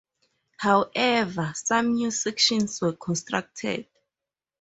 However, some new sections were constructed.